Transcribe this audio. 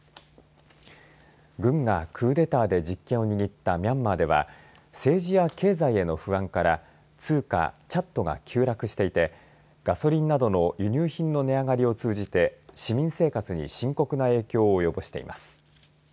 軍がクーデターで実権を握ったミャンマーでは政治や経済への不安から通貨、チャットが急落していてガソリンなどの輸入品の値上がりを通じて市民生活に深刻な影響を及ぼしています。